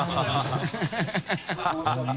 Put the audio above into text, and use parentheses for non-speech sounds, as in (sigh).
ハハハ (laughs)